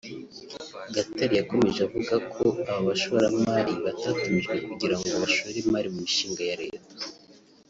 Gatare yakomeje avuga ko aba bashoramari batatumijwe kugira ngo bashore imari mu mishinga ya Leta